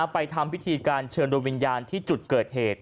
ทำพิธีการเชิญโดยวิญญาณที่จุดเกิดเหตุ